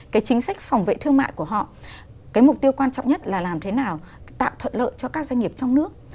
cái chính sách phòng vệ thương mại của họ cái mục tiêu quan trọng nhất là làm thế nào tạo thuận lợi cho các doanh nghiệp trong nước